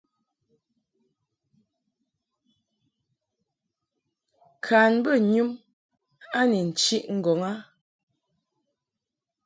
Kan bə yum a ni nchiʼ ŋgɔŋ a.